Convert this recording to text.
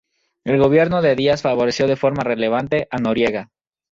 El gobierno de Díaz favoreció de forma relevante a Noriega.